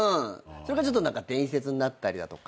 それがちょっと何か伝説になったりだとか。